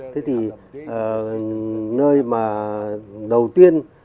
thế thì nơi mà đầu tiên